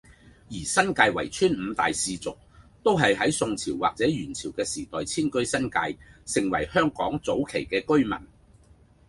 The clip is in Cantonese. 而新界圍村五大氏族，都係喺宋朝或者元朝嘅時代遷居新界，成為香港早期嘅居民